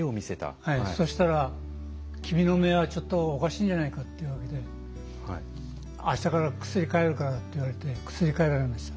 そしたら、君の目はちょっとおかしいんじゃないかと言われてあしたから薬、変えるからって言われて薬を変えられました。